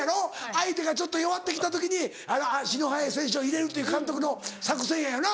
相手がちょっと弱ってきた時に足の速い選手を入れるっていう監督の作戦やよな。